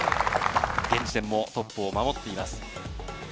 現時点もトップを守っています。